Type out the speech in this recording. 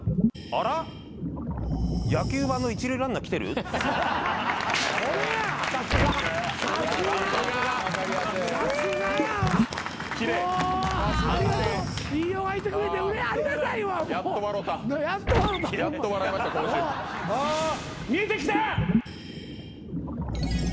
あっ見えてきた！